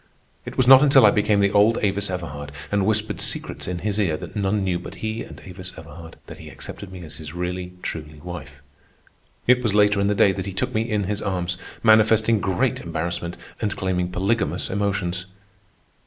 It was not until I became the old Avis Everhard and whispered secrets in his ear that none knew but he and Avis Everhard, that he accepted me as his really, truly wife. It was later in the day that he took me in his arms, manifesting great embarrassment and claiming polygamous emotions.